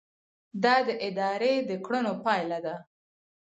دا د ادارې د کړنو پایله ده.